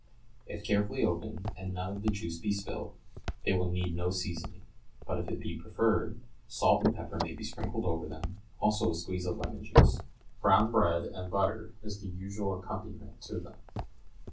If carefully opened, and none of the juice be spilt, they will need no seasoning; but if it be preferred, salt and pepper may be sprinkled over them, also a squeeze of lemon juice. Brown bread and butter is the usual accompaniment to them.